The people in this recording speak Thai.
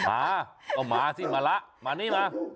มาก็มาสิมาละมานี่มา